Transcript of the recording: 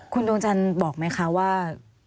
คุณดวงจันทร์บอกไหมคะว่า